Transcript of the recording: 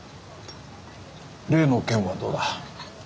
例の件はどうだ？